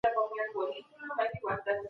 اسلام د عقيدې په انتخاب کي عقل ته ارزښت ورکړی.